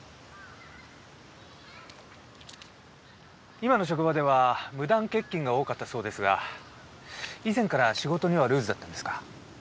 今の職場では無断欠勤が多かったそうですが以前から仕事にはルーズだったんですか？